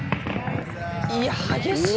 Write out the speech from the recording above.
いや激しい！